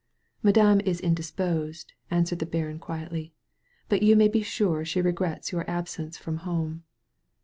"Madame is indisposed," answered the baron quietly, "but you may bi sure she regrets your absence from home."